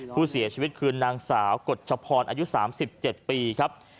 ผู้เสียชีวิตคือนางสาวกฎชพรอายุ๓๗ปีครับ